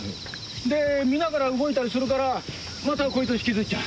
で見ながら動いたりするからまたこいつを引きずっちゃう。